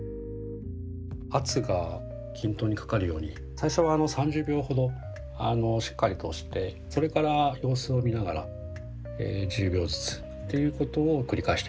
圧が均等にかかるように最初は３０秒ほどしっかりと押してそれから様子を見ながら１０秒ずつっていうことを繰り返していきます。